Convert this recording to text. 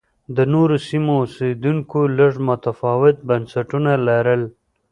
د نورو سیمو اوسېدونکو لږ متفاوت بنسټونه لرل